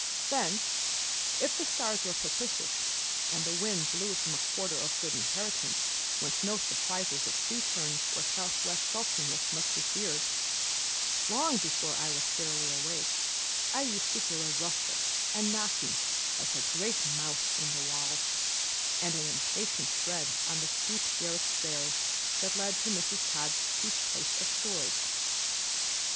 Then, if the stars were propitious, and the wind blew from a quarter of good inheritance whence no surprises of sea turns or southwest sultriness might be feared, long before I was fairly awake I used to hear a rustle and knocking like a great mouse in the walls, and an impatient tread on the steep garret stairs that led to Mrs. Todd's chief place of storage.